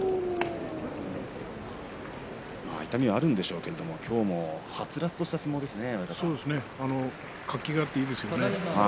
痛みはあるんでしょうけれども今日もはつらつとした相撲ですね。